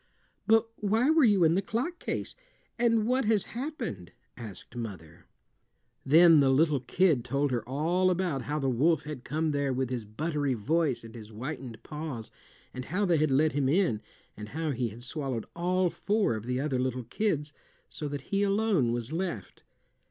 "But why were you in the clock case? And what has happened?" asked the mother. Then the little kid told her all about how the wolf had come there with his buttery voice and his whitened paws, and how they had let him in, and how he had swallowed all four of the other little kids, so that he alone was left.